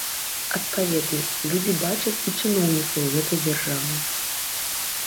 Адпаведна, людзі бачаць і чыноўнікаў гэтай дзяржавы.